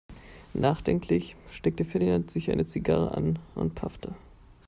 Nachdenklich steckte Ferdinand sich eine Zigarre an und paffte.